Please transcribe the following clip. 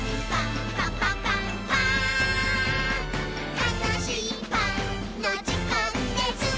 「たのしいパンのじかんです！」